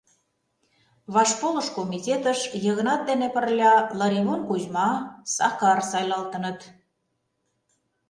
Вашполыш комитетыш Йыгнат дене пырля Лыривон Кузьма, Сакар сайлалтыныт.